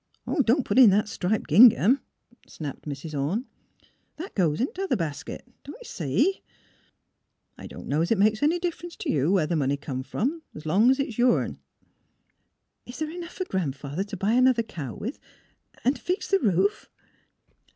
'^ Don't put in that striped gingham! " snapped Mrs. Orne. " That goes in th' other basket; don't you see? I dunno 's it makes any differ 'nee t' you where the money come from, s' long 's it's yourn. ''^' Is there enough for Gran 'father to buy an other cow with, and — and fix the roof?